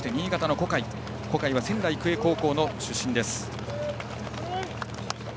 小海は仙台育英高校の出身です。